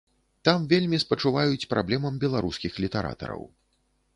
Там вельмі спачуваюць праблемам беларускіх літаратараў.